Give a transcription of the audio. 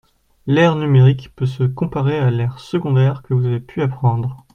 L’ère numérique peut se comparer à l’ère secondaire que vous avez pu apprendre.